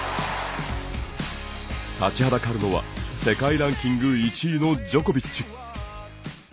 立ちはだかるのは世界ランキング１位のジョコビッチ。